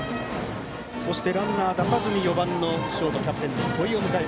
そして、ランナーを出さずに４番ショート、キャプテンの戸井。